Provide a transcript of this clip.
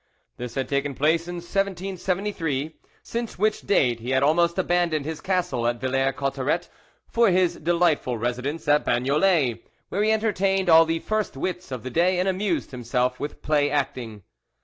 This had taken place in 1773, since which date he had almost abandoned his castle at Villers Cotterets for his delightful residence at Bagnolet, where he entertained all the first wits of the day and amused himself with play acting.